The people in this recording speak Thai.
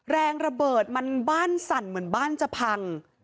แรงระเบิดมันบ้านสั่นเหมือนบ้านจะพัง